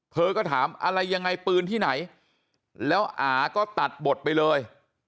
เธอก็ถามอะไรยังไงปืนที่ไหนแล้วอาก็ตัดบทไปเลย